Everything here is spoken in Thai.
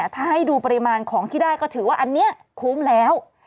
ถ้าให้ดูปริมาณของที่ได้ก็ถือว่าอันนี้คุ้มแล้ว